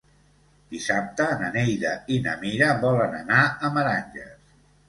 Dissabte na Neida i na Mira volen anar a Meranges.